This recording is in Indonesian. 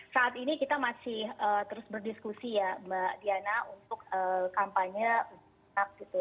saat ini kita masih terus berdiskusi ya mbak diana untuk kampanye